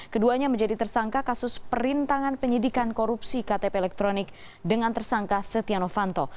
keduanya menjadi tersangka kasus perintangan penyidikan korupsi ktp elektronik dengan tersangka setia novanto